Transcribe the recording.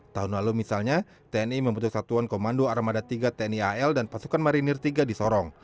tahun lalu misalnya tni membentuk satuan komando armada tiga tni al dan pasukan marinir tiga di sorong